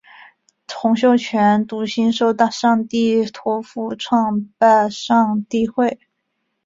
洪秀全笃信受上帝托负创拜上帝会。